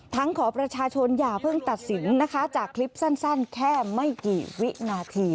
ขอประชาชนอย่าเพิ่งตัดสินนะคะจากคลิปสั้นแค่ไม่กี่วินาที